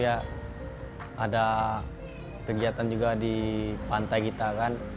ada kegiatan juga di pantai kita kan